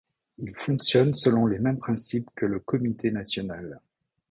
Ils fonctionnent selon les mêmes principes que le comité national.